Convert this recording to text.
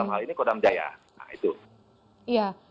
hal ini kodam jaya